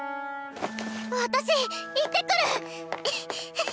私行ってくる！